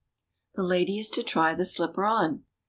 The lady is to try the slipper on.